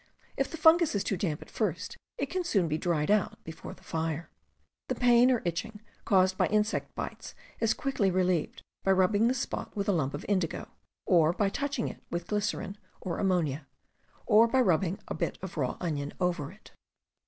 If the fungus is too damp at first, it can soon be dried out before the fire. The pain or itching caused by insect bites is quickly relieved by rubbing the spot with a lump of indigo, or by touching it with glycerin or ammonia, or by rubbing a bit of raw onion over it.